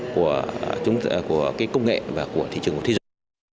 của công nghệ và của thị trường của thế giới